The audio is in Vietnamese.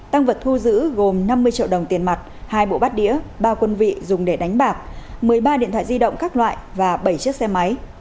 tăng vật thu giữ gồm năm mươi triệu đồng tiền mặt hai bộ bát đĩa ba quân vị dùng để đánh bạc một mươi ba điện thoại di động các loại và bảy chiếc xe máy